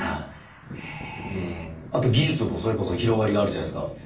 あと技術もそれこそ広がりがあるじゃないですか。